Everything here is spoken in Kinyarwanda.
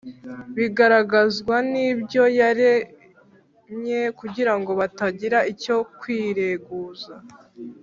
bigaragazwa n’ibyo yaremye kugira ngo batagira icyo kwireguza